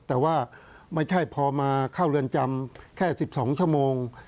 แต่ว่าไม่ใช่พอมาเข้าเรือนจำแค่๑๒ชั่วโมง